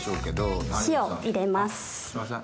あすいません。